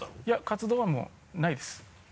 いや活動はもうないです。